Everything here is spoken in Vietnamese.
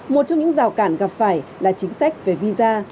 một trong những rào cản gặp phải là chính sách về visa